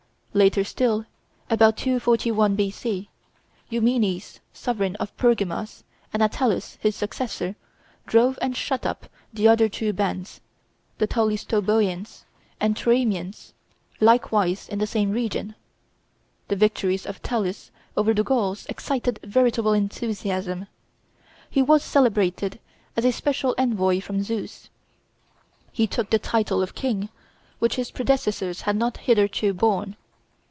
Later still, about 241 B.C., Eumenes, sovereign of Pergamos, and Attalus, his successor, drove and shut up the other two bands, the Tolistoboians and Troemians, likewise in the same region. The victories of Attalus over the Gauls excited veritable enthusiasm. He was celebrated as a special envoy from Zeus. He took the title of King, which his predecessors had not hitherto borne.